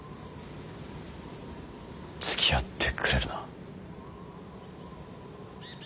つきあってくれるな。